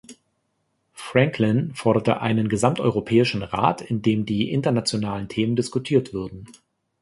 Franklin forderte einen gesamteuropäischen Rat, in dem die internationalen Themen diskutiert würden.